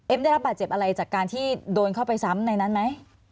ได้รับบาดเจ็บอะไรจากการที่โดนเข้าไปซ้ำในนั้นไหม